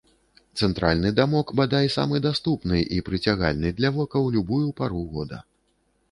Цэнтральны дамок, бадай, самы даступны і прыцягальны для вока ў любую пару года.